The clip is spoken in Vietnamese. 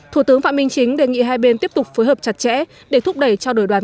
thủ tướng phạm minh chính đề nghị hai bên tiếp tục phối hợp chặt chẽ để thúc đẩy trao đổi đoàn